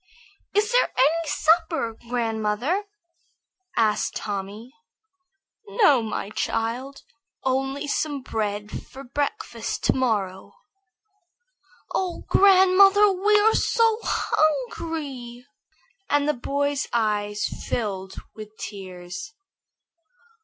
"Is there any supper, grandmother?" asked Tommy. "No, my child, only some bread for breakfast to morrow." "Oh, grandmother, we are so hungry!" and the boy's eyes filled with tears.